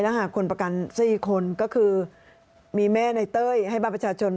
ถ้าหากคนประกัน๔คนก็คือมีแม่ในเต้ยให้บ้านประชาชน